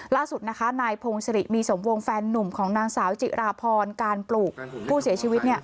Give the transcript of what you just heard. ล่าสุดนะคะนายพงศิริมีสมวงแฟนนุ่มของนางสาวจิราพรการปลูกผู้เสียชีวิต